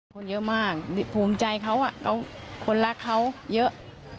คนเยอะมากภูมิใจเขาคนรักเขาเยอะ